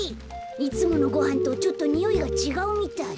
いつものごはんとちょっとにおいがちがうみたい。